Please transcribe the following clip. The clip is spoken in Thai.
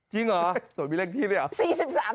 จริงเหรอสวยมีเลขที่ด้วยเหรอ